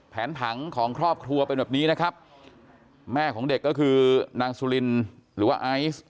ผังของครอบครัวเป็นแบบนี้นะครับแม่ของเด็กก็คือนางสุลินหรือว่าไอซ์